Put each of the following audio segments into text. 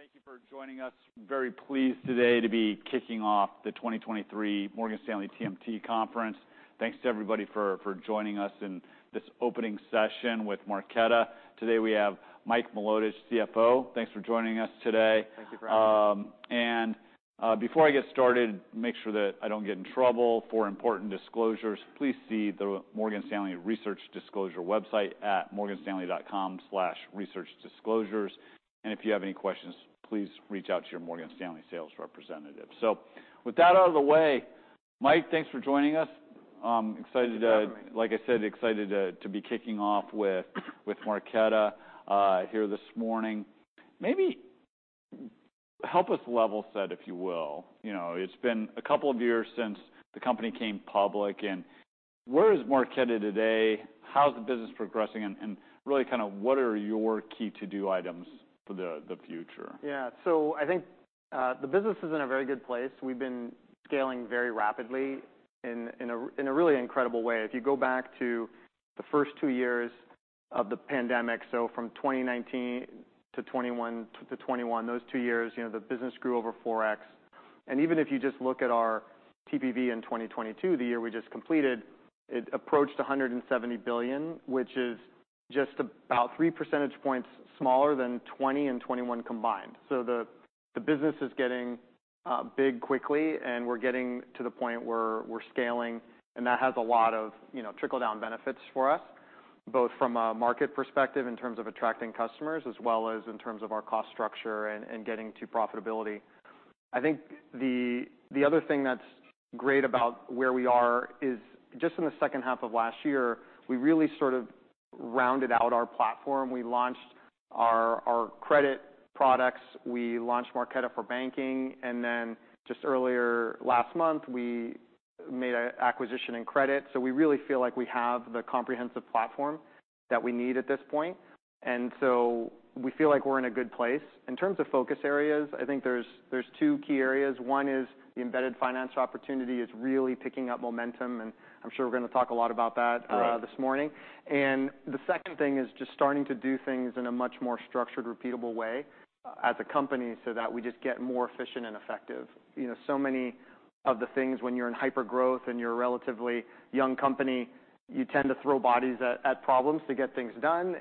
Thank you for joining us. Very pleased today to be kicking off the 2023 Morgan Stanley TMT Conference. Thanks to everybody for joining us in this opening session with Marqeta. Today, we have Mike Milotich, CFO. Thanks for joining us today. Thank you for having me. Before I get started, make sure that I don't get in trouble for important disclosures, please see the Morgan Stanley research disclosure website at morganstanley.com/researchdisclosures. If you have any questions, please reach out to your Morgan Stanley sales representative. With that out of the way, Mike, thanks for joining us. excited to-. Good afternoon. Like I said, excited to be kicking off with Marqeta here this morning. Maybe help us level set, if you will. You know, it's been a couple of years since the company came public. Where is Marqeta today? How's the business progressing? Really kinda what are your key to-do items for the future? Yeah. I think the business is in a very good place. We've been scaling very rapidly in a really incredible way. If you go back to the first two years of the pandemic, from 2019 to 2021, those two years, you know, the business grew over 4x. Even if you just look at our TPV in 2022, the year we just completed, it approached $170 billion, which is just about 3 percentage points smaller than 2020 and 2021 combined. The business is getting big quickly, and we're getting to the point where we're scaling, and that has a lot of, you know, trickle-down benefits for us, both from a market perspective in terms of attracting customers as well as in terms of our cost structure and getting to profitability. I think the other thing that's great about where we are is just in the second half of last year, we really sort of rounded out our platform. We launched our credit products. We launched Marqeta for Banking, just earlier last month we made a acquisition in credit. We really feel like we have the comprehensive platform that we need at this point. We feel like we're in a good place. In terms of focus areas, I think there's two key areas. One is the embedded finance opportunity is really picking up momentum, I'm sure we're gonna talk a lot about that. Right... this morning. The second thing is just starting to do things in a much more structured, repeatable way, as a company so that we just get more efficient and effective. You know, so many of the things when you're in hypergrowth and you're a relatively young company, you tend to throw bodies at problems to get things done.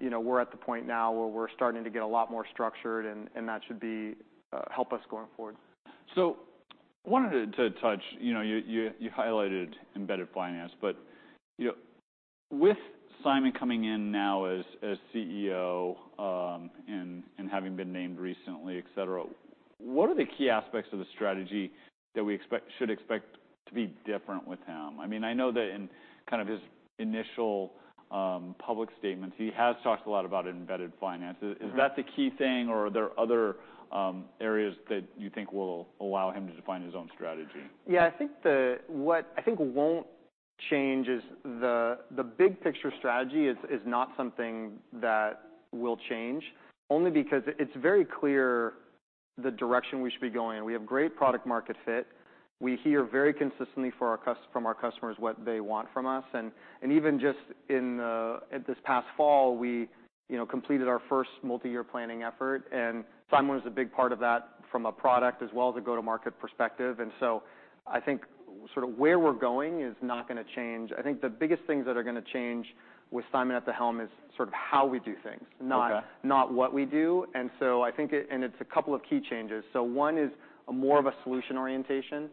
You know, we're at the point now where we're starting to get a lot more structured and that should be, help us going forward. wanted to touch, you know, you highlighted embedded finance, but, you know, with Simon coming in now as CEO, and having been named recently, et cetera, what are the key aspects of the strategy that we should expect to be different with him? I mean, I know that in kind of his initial public statements, he has talked a lot about embedded finance. Mm-hmm. Is that the key thing, or are there other areas that you think will allow him to define his own strategy? Yeah. I think what I think won't change is the big picture strategy is not something that will change, only because it's very clear the direction we should be going in. We have great product market fit. We hear very consistently from our customers what they want from us. Even just in this past fall, we, you know, completed our first multi-year planning effort, and Simon was a big part of that from a product as well as a go-to-market perspective. I think sort of where we're going is not gonna change. I think the biggest things that are gonna change with Simon at the helm is sort of how we do things. Okay not what we do. I think it. It's a couple of key changes. One is more of a solution orientation.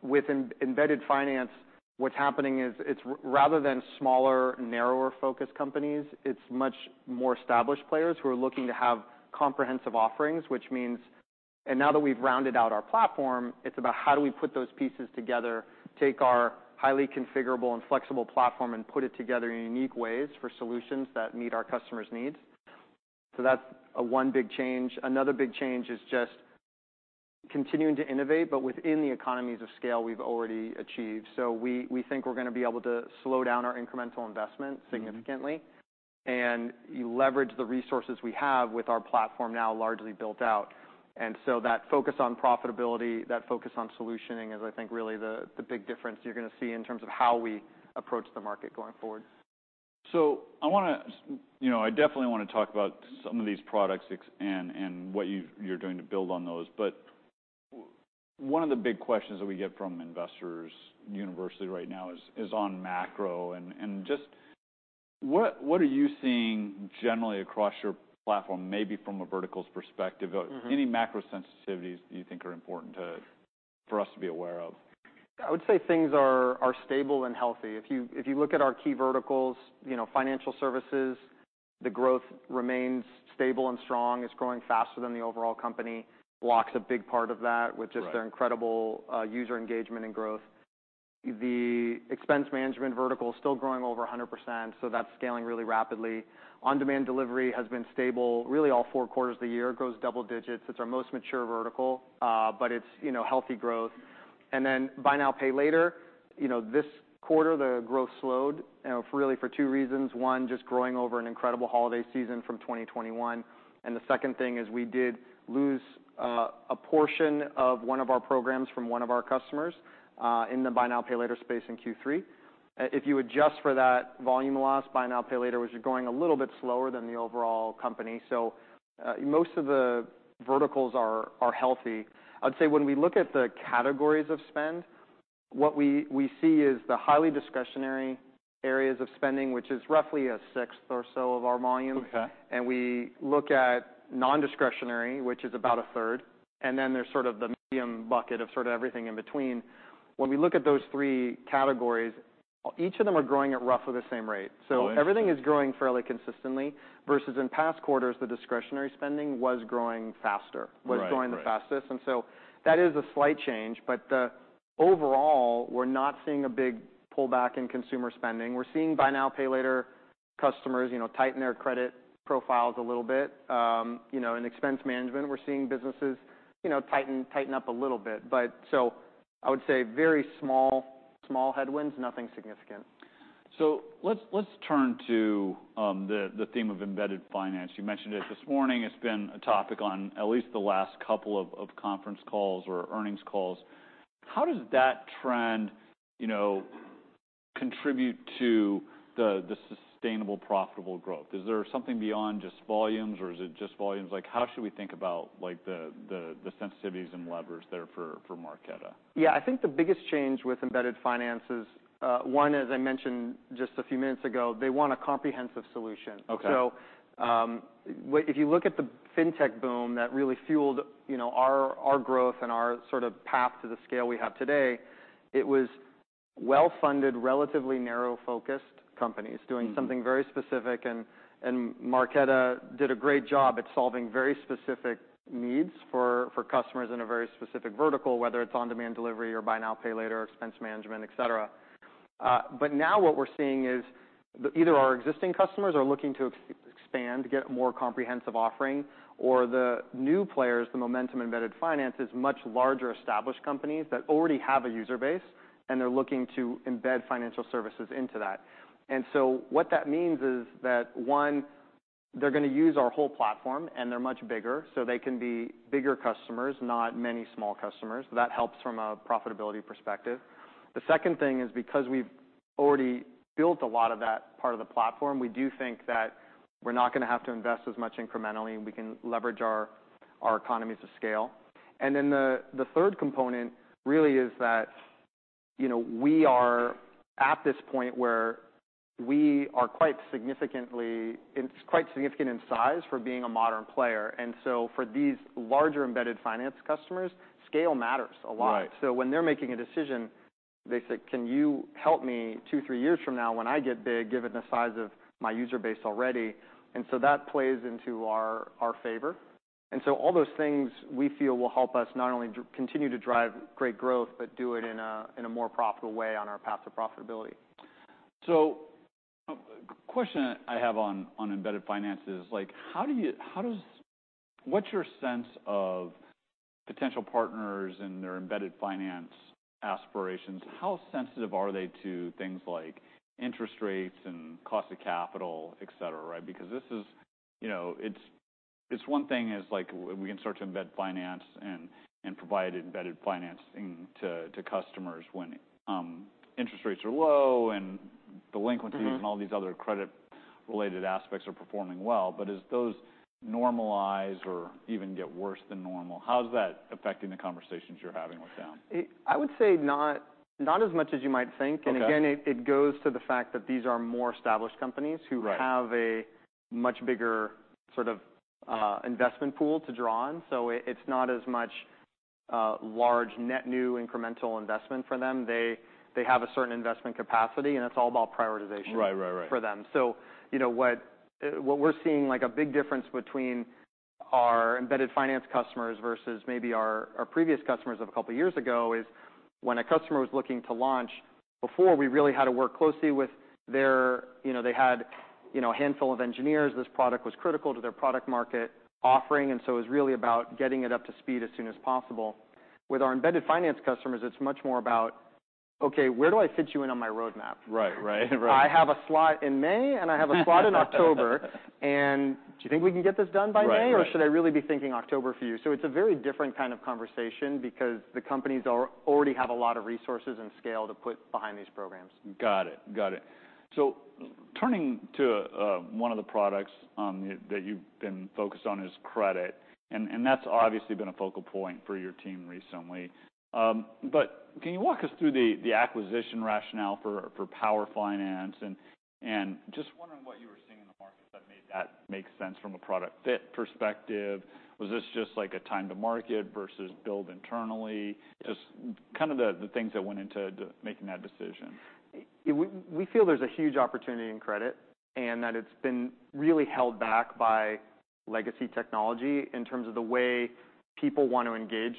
With embedded finance, what's happening is it's rather than smaller, narrower-focused companies, it's much more established players who are looking to have comprehensive offerings, which means. Now that we've rounded out our platform, it's about how do we put those pieces together, take our highly configurable and flexible platform, and put it together in unique ways for solutions that meet our customers' needs. That's one big change. Another big change is just continuing to innovate, but within the economies of scale we've already achieved. We think we're gonna be able to slow down our incremental investment significantly. Mm-hmm... leverage the resources we have with our platform now largely built out. That focus on profitability, that focus on solutioning is, I think, really the big difference you're gonna see in terms of how we approach the market going forward. I wanna you know, I definitely wanna talk about some of these products and what you're doing to build on those. One of the big questions that we get from investors universally right now is on macro and just what are you seeing generally across your platform, maybe from a verticals perspective? Mm-hmm any macro sensitivities you think are important to, for us to be aware of? I would say things are stable and healthy. If you look at our key verticals, you know, financial services, the growth remains stable and strong. It's growing faster than the overall company. Block's a big part of that- Right... with just their incredible user engagement and growth. The expense management vertical is still growing over 100%, so that's scaling really rapidly. On-demand delivery has been stable really all four quarters of the year, grows double digits. It's our most mature vertical, but it's, you know, healthy growth. Buy now, pay later, you know, this quarter, the growth slowed, you know, for really for two reasons. One, just growing over an incredible holiday season from 2021, and the second thing is we did lose a portion of one of our programs from one of our customers in the buy now, pay later space in Q3. If you adjust for that volume loss, buy now, pay later was going a little bit slower than the overall company. Most of the verticals are healthy. I'd say when we look at the categories of spend, what we see is the highly discretionary areas of spending, which is roughly a sixth or so of our volume. Okay. We look at nondiscretionary, which is about a third, and then there's sort of the medium bucket of sort of everything in between. When we look at those three categories, each of them are growing at roughly the same rate. Oh, interesting. everything is growing fairly consistently, versus in past quarters, the discretionary spending was growing faster. Right. Right.... was growing the fastest. That is a slight change. The overall, we're not seeing a big pullback in consumer spending. We're seeing buy now, pay later customers, you know, tighten their credit profiles a little bit. You know, in expense management, we're seeing businesses, you know, tighten up a little bit. I would say very small headwinds, nothing significant. Let's turn to the theme of embedded finance. You mentioned it this morning. It's been a topic on at least the last couple of conference calls or earnings calls. How does that trend, you know, contribute to the sustainable profitable growth? Is there something beyond just volumes, or is it just volumes? Like, how should we think about like the sensitivities and levers there for Marqeta? I think the biggest change with embedded finance is, one, as I mentioned just a few minutes ago, they want a comprehensive solution. Okay. If you look at the fintech boom that really fueled, you know, our growth and our sort of path to the scale we have today, it was well-funded, relatively narrow-focused companies doing something very specific. Marqeta did a great job at solving very specific needs for customers in a very specific vertical, whether it's on-demand delivery or buy now, pay later, expense management, et cetera. Now what we're seeing is either our existing customers are looking to expand to get more comprehensive offering, or the new players, the momentum embedded finance is much larger established companies that already have a user base, and they're looking to embed financial services into that. What that means is that, one, they're gonna use our whole platform, and they're much bigger, so they can be bigger customers, not many small customers. That helps from a profitability perspective. The second thing is, because we've already built a lot of that part of the platform, we do think that we're not gonna have to invest as much incrementally, and we can leverage our economies of scale. Then the third component really is that, you know, we are at this point where we are quite significant in size for being a modern player. So for these larger embedded finance customers, scale matters a lot. Right. When they're making a decision, they say, "Can you help me two, three years from now when I get big, given the size of my user base already?" That plays into our favor. All those things, we feel, will help us not only continue to drive great growth, but do it in a more profitable way on our path to profitability. A question I have on embedded finance is like, how does what's your sense of potential partners and their embedded finance aspirations? How sensitive are they to things like interest rates and cost of capital, et cetera, right? You know, it's one thing is like we can start to embed finance and provide embedded financing to customers when interest rates are low and delinquencies. Mm-hmm... and all these other credit-related aspects are performing well. As those normalize or even get worse than normal, how's that affecting the conversations you're having with them? I would say not as much as you might think. Okay. Again, it goes to the fact that these are more established companies. Right... who have a much bigger sort of, investment pool to draw on. It's not as much, large net new incremental investment for them. They have a certain investment capacity, and it's all about prioritization. Right. Right. Right.... for them. You know, what we're seeing, like a big difference between our embedded finance customers versus maybe our previous customers of a couple years ago, is when a customer was looking to launch, before, we really had to work closely with their. You know, they had, you know, a handful of engineers. This product was critical to their product market offering. It was really about getting it up to speed as soon as possible. With our embedded finance customers, it's much more about, "Okay, where do I fit you in on my roadmap? Right. Right. I have a slot in May, and I have a slot in October. Do you think we can get this done by May? Right. Right. Or should I really be thinking October for you?" It's a very different kind of conversation because the companies already have a lot of resources and scale to put behind these programs. Got it. Got it. Turning to one of the products that you've been focused on is credit, and that's obviously been a focal point for your team recently. Can you walk us through the acquisition rationale for Power Finance? Just wondering what you were seeing in the market that made make sense from a product fit perspective. Was this just like a time to market versus build internally? Yes. Just kind of the things that went into making that decision. We feel there's a huge opportunity in credit, and that it's been really held back by legacy technology in terms of the way people want to engage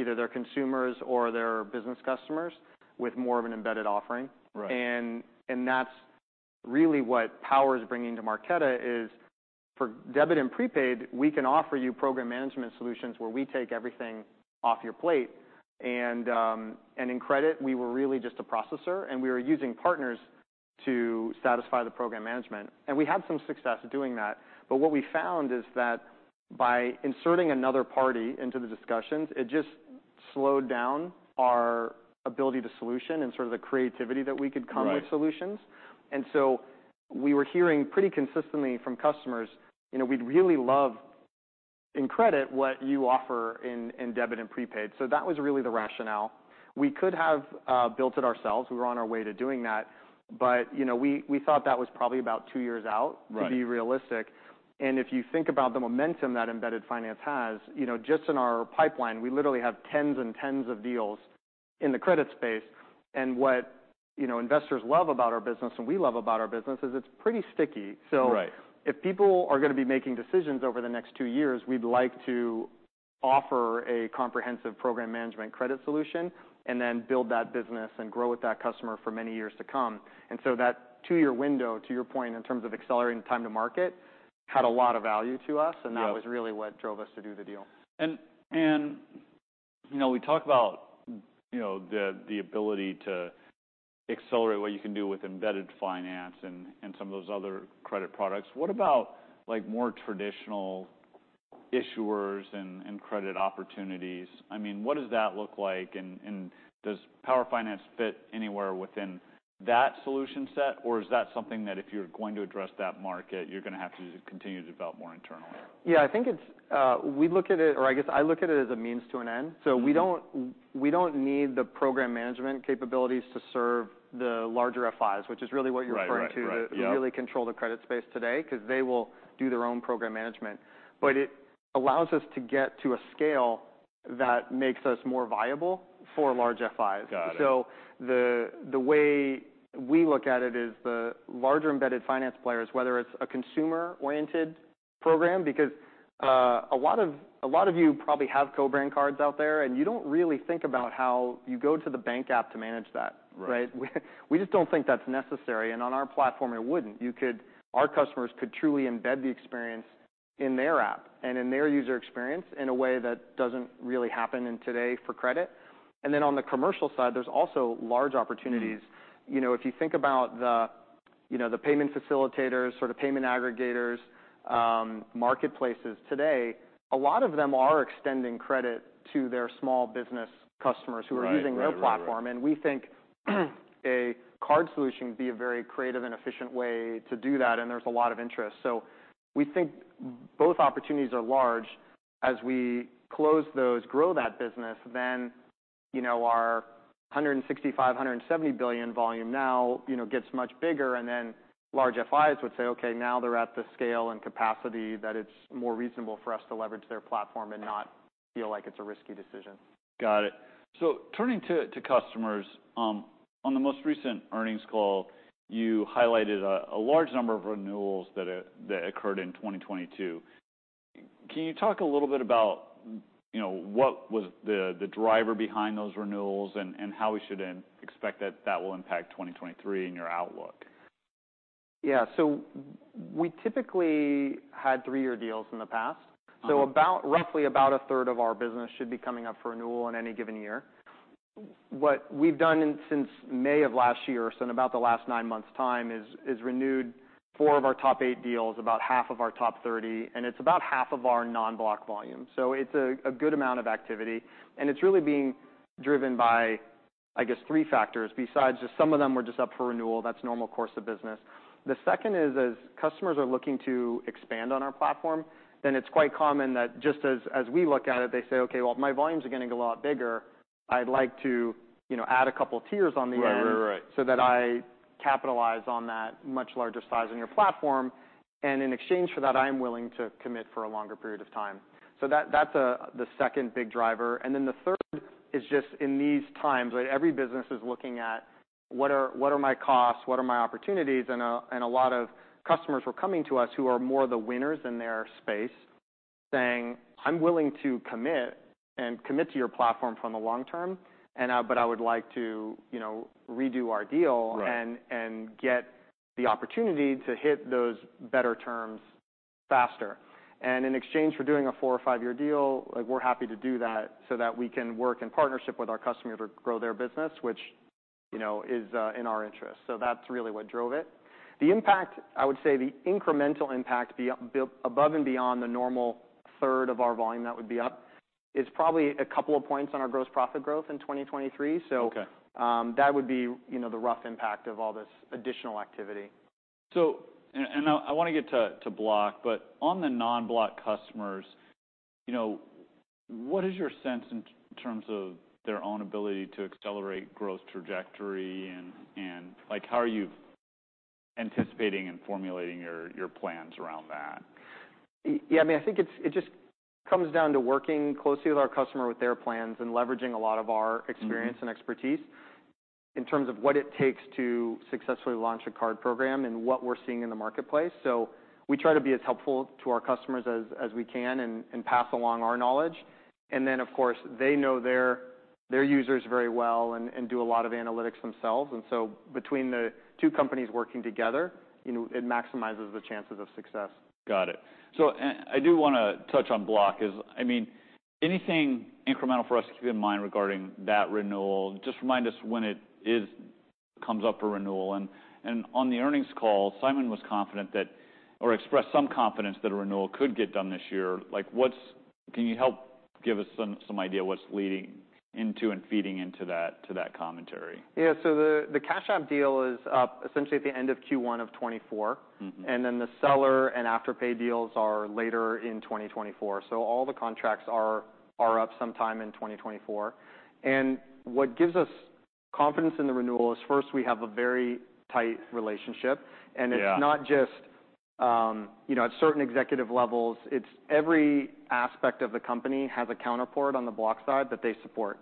either their consumers or their business customers with more of an embedded offering. Right. That's really what Power is bringing to Marqeta, is for debit and prepaid, we can offer you program management solutions where we take everything off your plate. In credit, we were really just a processor, and we were using partners to satisfy the program management. We had some success doing that. What we found is that by inserting another party into the discussions, it just slowed down our ability to solution and sort of the creativity that we could. Right ...with solutions. We were hearing pretty consistently from customers, you know, "We'd really love in credit what you offer in debit and prepaid." That was really the rationale. We could have built it ourselves. We were on our way to doing that. You know, we thought that was probably about two years out... Right ...to be realistic. If you think about the momentum that embedded finance has, you know, just in our pipeline, we literally have tens and tens of deals in the credit space. What, you know, investors love about our business and we love about our business is it's pretty sticky. Right ...if people are gonna be making decisions over the next two years, we'd like to offer a comprehensive program management credit solution, and then build that business and grow with that customer for many years to come. That two-year window, to your point, in terms of accelerating the time to market, had a lot of value to us. Yeah That was really what drove us to do the deal. You know, we talk about, you know, the ability to accelerate what you can do with embedded finance and some of those other credit products. What about, like, more traditional issuers and credit opportunities? I mean, what does that look like and does Power Finance fit anywhere within that solution set? Is that something that if you're going to address that market, you're gonna have to continue to develop more internally? Yeah. I think it's. We look at it, or I guess I look at it as a means to an end. Mm-hmm. We don't need the program management capabilities to serve the larger FIs, which is really what you're referring to. Right. Right, right. Yep ...to really control the credit space today, 'cause they will do their own program management. It allows us to get to a scale that makes us more viable for large FIs. Got it. The way we look at it is the larger embedded finance players, whether it's a consumer-oriented program, because a lot of you probably have co-branded cards out there, and you don't really think about how you go to the bank app to manage that. Right. Right? We just don't think that's necessary, and on our platform it wouldn't. Our customers could truly embed the experience in their app and in their user experience in a way that doesn't really happen in today for credit. On the commercial side, there's also large opportunities. Mm. You know, if you think about the, you know, the Payment Facilitators, sort of Payment Aggregators, marketplaces today, a lot of them are extending credit to their small business customers. Right. Right, right who are using their platform. We think a card solution would be a very creative and efficient way to do that. There's a lot of interest. We think both opportunities are large. As we close those, grow that business, then, you know, our $165 billion-$170 billion volume now, you know, gets much bigger. Large FIs would say, "Okay, now they're at the scale and capacity that it's more reasonable for us to leverage their platform and not feel like it's a risky decision. Got it. Turning to customers, on the most recent earnings call, you highlighted a large number of renewals that occurred in 2022. Can you talk a little bit about, you know, what was the driver behind those renewals and how we should expect that will impact 2023 in your outlook? Yeah. We typically had three-year deals in the past. Okay. About, roughly about a third of our business should be coming up for renewal in any given year. What we've done in, since May of last year, in about the last nine months' time is renewed four of our top eight deals, about half of our top 30, and it's about half of our non-Block volume. It's a good amount of activity, and it's really being driven by, I guess, three factors. Besides just some of them were just up for renewal. That's normal course of business. The second is, as customers are looking to expand on our platform, then it's quite common that just as we look at it, they say, "Okay, well, my volumes are gonna go a lot bigger. I'd like to, you know, add a couple tiers on the end- Right. Right, right ...so that I capitalize on that much larger size on your platform. In exchange for that, I am willing to commit for a longer period of time." That, that's the second big driver. Then the third is just in these times, right, every business is looking at what are my costs, what are my opportunities, and a lot of customers were coming to us, who are more the winners in their space, saying, "I'm willing to commit to your platform from the long term, and, but I would like to, you know, redo our deal- Right ...and get the opportunity to hit those better terms faster. In exchange for doing a 4 or 5-year deal, like, we're happy to do that so that we can work in partnership with our customer to grow their business, which, you know, is in our interest. That's really what drove it. The impact, I would say the incremental impact built above and beyond the normal third of our volume that would be up, is probably a couple of points on our gross profit growth in 2023. Okay... that would be, you know, the rough impact of all this additional activity. And I wanna get to Block, but on the non-Block customers, you know, what is your sense in terms of their own ability to accelerate growth trajectory and like, how are you anticipating and formulating your plans around that? Yeah. I mean, I think it's, it just comes down to working closely with our customer with their plans and leveraging a lot of our- Mm-hmm ...experience and expertise in terms of what it takes to successfully launch a card program and what we're seeing in the marketplace. We try to be as helpful to our customers as we can and pass along our knowledge. Then, of course, they know their users very well and do a lot of analytics themselves. Between the two companies working together, you know, it maximizes the chances of success. Got it. And I do wanna touch on Block is, I mean, anything incremental for us to keep in mind regarding that renewal? Just remind us when it isComes up for renewal. On the earnings call, Simon was confident that, or expressed some confidence that a renewal could get done this year. Like, can you help give us some idea what's leading into and feeding into that, to that commentary? Yeah. the Cash App deal is up essentially at the end of Q1 of 2024. Mm-hmm. The seller and Afterpay deals are later in 2024. All the contracts are up sometime in 2024. What gives us confidence in the renewal is, first, we have a very tight relationship. Yeah. It's not just, you know, at certain executive levels, it's every aspect of the company has a counterpart on the Block side that they support.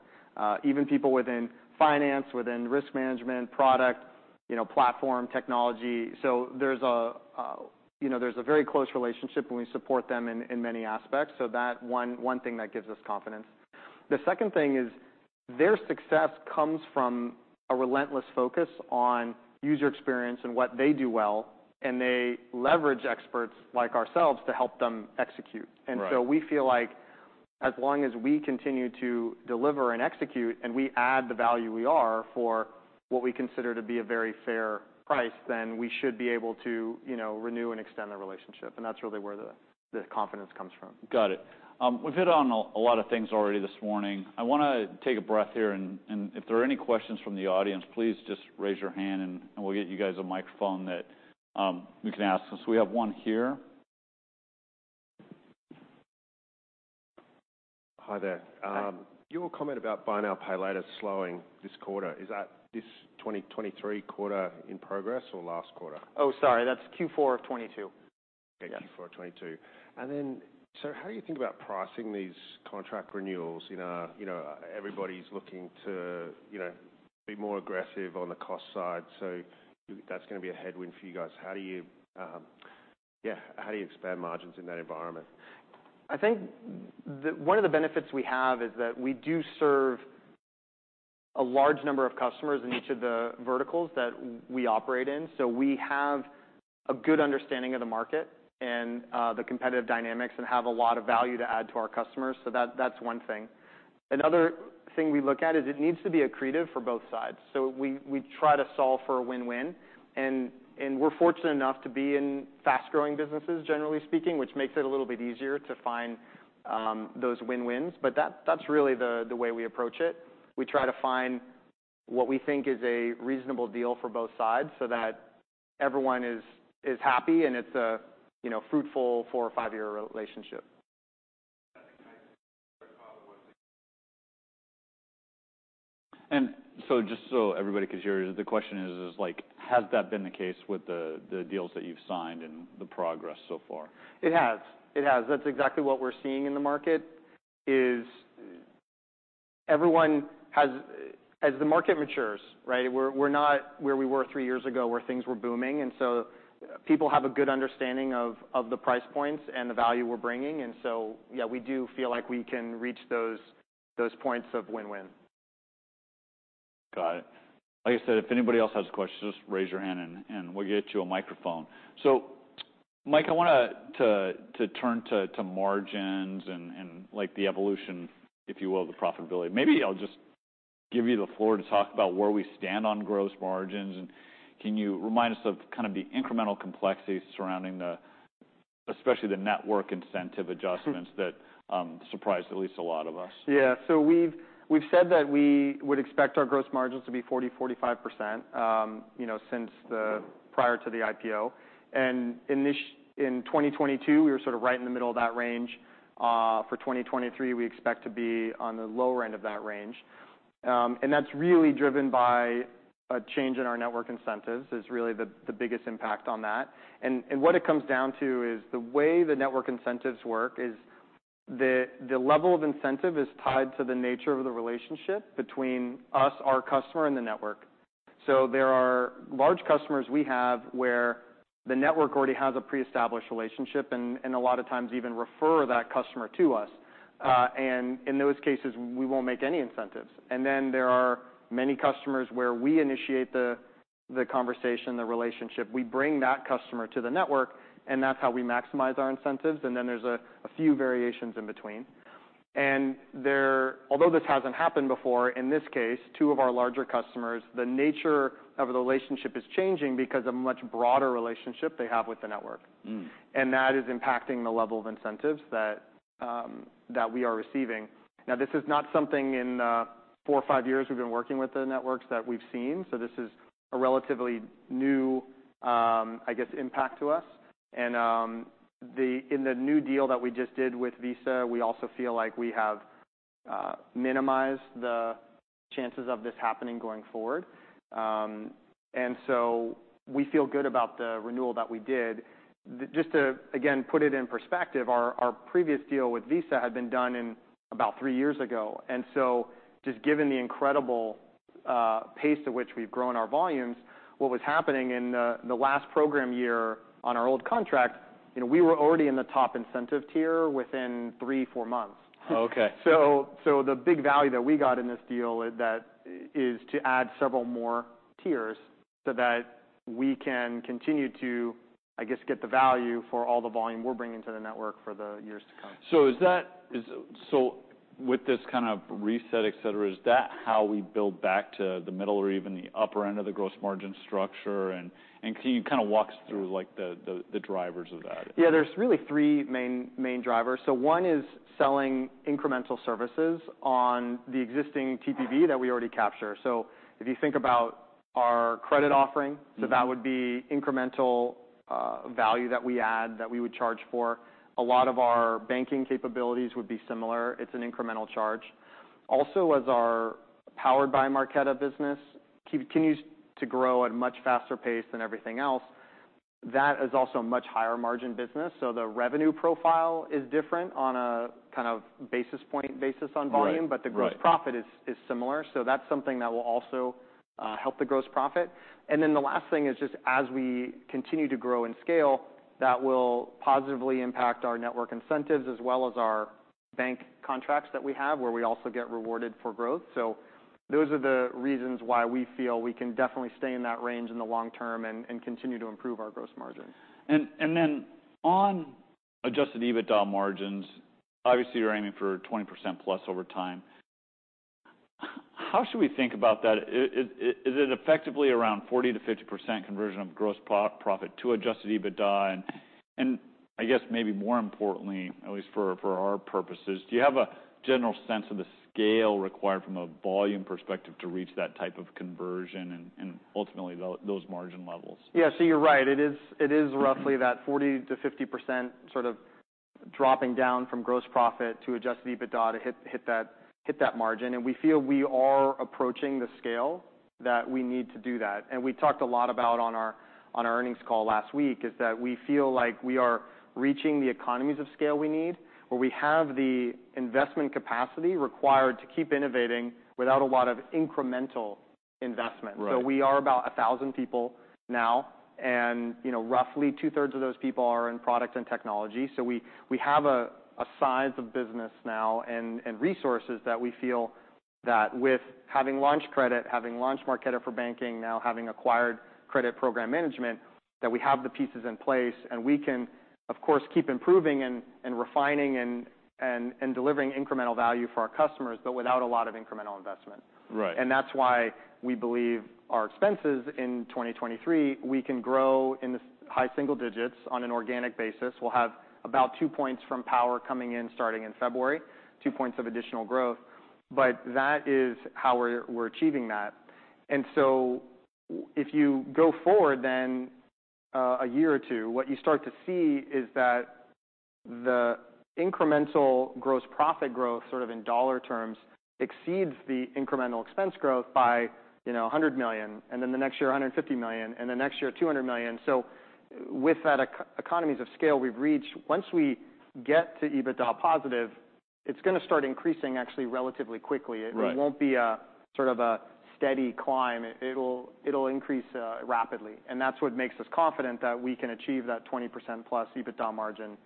Even people within finance, within risk management, product, you know, platform, technology. There's a, you know, there's a very close relationship, and we support them in many aspects. That one thing that gives us confidence. The second thing is their success comes from a relentless focus on user experience and what they do well, and they leverage experts like ourselves to help them execute. Right. We feel like as long as we continue to deliver and execute, and we add the value we are for what we consider to be a very fair price, then we should be able to, you know, renew and extend the relationship. That's really where the confidence comes from. Got it. We've hit on a lot of things already this morning. I wanna take a breath here and if there are any questions from the audience, please just raise your hand and we'll get you guys a microphone that we can ask. We have one here. Hi there. Hi. Your comment about buy now, pay later slowing this quarter, is that this 2023 quarter in progress or last quarter? Oh, sorry. That's Q4 of 2022. Okay. Q4 2022. How do you think about pricing these contract renewals? You know, everybody's looking to, you know, be more aggressive on the cost side, so that's gonna be a headwind for you guys. How do you, yeah, how do you expand margins in that environment? I think one of the benefits we have is that we do serve a large number of customers in each of the verticals that we operate in. We have a good understanding of the market and the competitive dynamics and have a lot of value to add to our customers. That's one thing. Another thing we look at is it needs to be accretive for both sides. We try to solve for a win-win, and we're fortunate enough to be in fast-growing businesses, generally speaking, which makes it a little bit easier to find those win-wins. That's really the way we approach it. We try to find what we think is a reasonable deal for both sides so that everyone is happy, and it's a, you know, fruitful four or five-year relationship. I think I follow. Just so everybody can hear, the question is, like, has that been the case with the deals that you've signed and the progress so far? It has. It has. That's exactly what we're seeing in the market. As the market matures, right? We're not where we were three years ago, where things were booming. people have a good understanding of the price points and the value we're bringing. yeah, we do feel like we can reach those points of win-win. Got it. Like I said, if anybody else has questions, just raise your hand and we'll get you a microphone. Mike, I want to turn to margins and, like, the evolution, if you will, of the profitability. Maybe I'll just give you the floor to talk about where we stand on gross margins. Can you remind us of kind of the incremental complexities surrounding the, especially the network incentive adjustments. Mm-hmm... that surprised at least a lot of us? Yeah. We've said that we would expect our gross margins to be 40%-45%, you know, prior to the IPO. In 2022, we were sort of right in the middle of that range. For 2023, we expect to be on the lower end of that range. That's really driven by a change in our network incentives, is really the biggest impact on that. What it comes down to is the way the network incentives work is the level of incentive is tied to the nature of the relationship between us, our customer, and the network. There are large customers we have where the network already has a pre-established relationship and a lot of times even refer that customer to us. In those cases, we won't make any incentives. There are many customers where we initiate the conversation, the relationship. We bring that customer to the network, and that's how we maximize our incentives. Then there's a few variations in between. Although this hasn't happened before, in this case, two of our larger customers, the nature of the relationship is changing because of much broader relationship they have with the network. Mm. That is impacting the level of incentives that we are receiving. This is not something in four or five years we've been working with the networks that we've seen. This is a relatively new, I guess, impact to us. In the new deal that we just did with Visa, we also feel like we have minimized the chances of this happening going forward. We feel good about the renewal that we did. Just to, again, put it in perspective, our previous deal with Visa had been done in about three years ago. Just given the incredible pace at which we've grown our volumes, what was happening in the last program year on our old contract, you know, we were already in the top incentive tier within three, four months. Oh, okay. The big value that we got in this deal that is to add several more tiers, so that we can continue to, I guess, get the value for all the volume we're bringing to the network for the years to come. With this kind of reset, et cetera, is that how we build back to the middle or even the upper end of the gross margin structure? Can you kind of walk us through, like, the drivers of that? Yeah. There's really three main drivers. One is selling incremental services on the existing TPV that we already capture. If you think about our credit offering- Mm-hmm. That would be incremental, value that we add that we would charge for. A lot of our banking capabilities would be similar. It's an incremental charge. Also, as our Powered by Marqeta business continues to grow at a much faster pace than everything else, that is also a much higher margin business, so the revenue profile is different on a kind of basis point basis on volume... Right. Right.... but the gross profit is similar, so that's something that will also help the gross profit. The last thing is just as we continue to grow and scale, that will positively impact our network incentives as well as our bank contracts that we have where we also get rewarded for growth. Those are the reasons why we feel we can definitely stay in that range in the long term and continue to improve our gross margin. On adjusted EBITDA margins, obviously you're aiming for 20%+ over time. How should we think about that? Is it effectively around 40%-50% conversion of gross pro-profit to adjusted EBITDA? I guess maybe more importantly, at least for our purposes, do you have a general sense of the scale required from a volume perspective to reach that type of conversion and ultimately those margin levels? Yeah. You're right. It is roughly that 40%-50% sort of dropping down from gross profit to adjusted EBITDA to hit that margin. We feel we are approaching the scale that we need to do that. We talked a lot about on our earnings call last week is that we feel like we are reaching the economies of scale we need, where we have the investment capacity required to keep innovating without a lot of incremental investment. Right. We are about 1,000 people now. You know, roughly two-thirds of those people are in product and technology, so we have a size of business now and resources that we feel that with having launched credit, having launched Marqeta for Banking, now having acquired credit program management, that we have the pieces in place, and we can, of course, keep improving and refining and delivering incremental value for our customers, but without a lot of incremental investment. Right. That's why we believe our expenses in 2023, we can grow in the high single digits on an organic basis. We'll have about two points from Power coming in starting in February, two points of additional growth. That is how we're achieving that. If you go forward then, a year or two, what you start to see is that the incremental gross profit growth, sort of in dollar terms, exceeds the incremental expense growth by, you know, $100 million, and then the next year, $150 million, and the next year, $200 million. With that economies of scale we've reached, once we get to EBITDA positive, it's gonna start increasing actually relatively quickly. Right. It won't be a, sort of a steady climb. It'll increase, rapidly. That's what makes us confident that we can achieve that 20% plus EBITDA margin,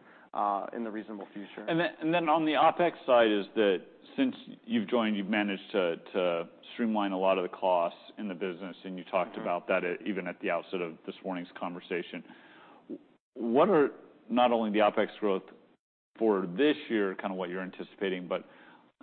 in the reasonable future. On the OpEx side is that since you've joined, you've managed to streamline a lot of the costs in the business. Mm-hmm about that even at the outset of this morning's conversation. What are not only the OpEx growth for this year, kind of what you're anticipating, but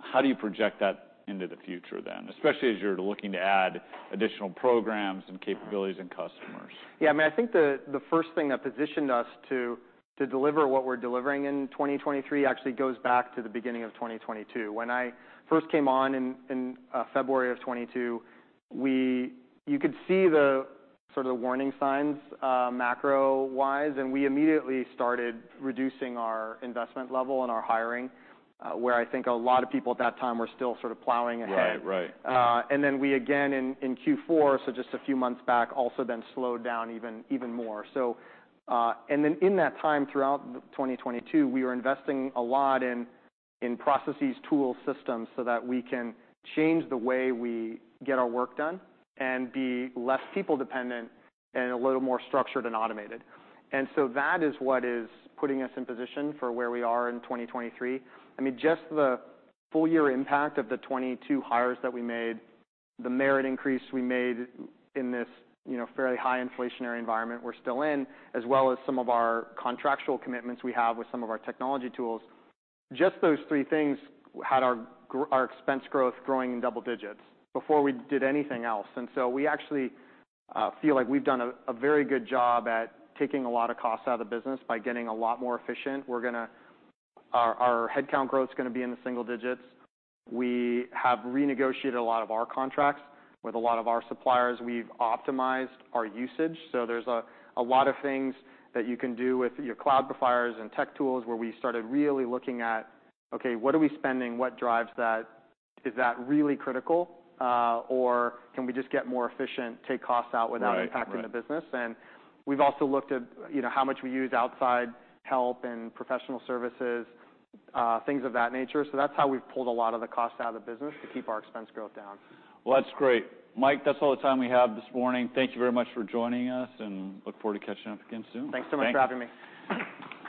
how do you project that into the future then? Especially as you're looking to add additional programs and capabilities and customers. Yeah. I mean, I think the first thing that positioned us to deliver what we're delivering in 2023 actually goes back to the beginning of 2022. When I first came on in February of 2022, you could see the sort of warning signs macro-wise, and we immediately started reducing our investment level and our hiring, where I think a lot of people at that time were still sort of plowing ahead. Right. Right. We again in Q4, just a few months back, also then slowed down even more. In that time throughout 2022, we were investing a lot in processes, tools, systems, so that we can change the way we get our work done and be less people dependent and a little more structured and automated. That is what is putting us in position for where we are in 2023. I mean, just the full year impact of the '22 hires that we made, the merit increase we made in this, you know, fairly high inflationary environment we're still in, as well as some of our contractual commitments we have with some of our technology tools, just those three things had our expense growth growing in double digits before we did anything else. We actually feel like we've done a very good job at taking a lot of costs out of the business by getting a lot more efficient. We're gonna Our head count growth's gonna be in the single digits. We have renegotiated a lot of our contracts with a lot of our suppliers. We've optimized our usage. There's a lot of things that you can do with your cloud providers and tech tools where we started really looking at, okay, what are we spending? What drives that? Is that really critical, or can we just get more efficient, take costs out without- Right. Right.... impacting the business? We've also looked at, you know, how much we use outside help and professional services, things of that nature. That's how we've pulled a lot of the costs out of the business to keep our expense growth down. Well, that's great. Mike, that's all the time we have this morning. Thank you very much for joining us. Look forward to catching up again soon. Thanks so much for having me. Thank you. Good job.